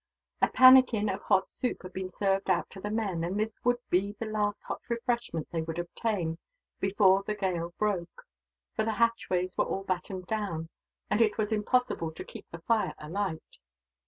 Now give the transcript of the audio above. A pannikin of hot soup had been served out to the men, and this would be the last hot refreshment they would obtain, before the gale broke; for the hatchways were all battened down, and it was impossible to keep the fire alight.